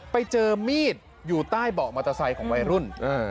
ไปเจอมีดอยู่ใต้เบาะมอเตอร์ไซค์ของวัยรุ่น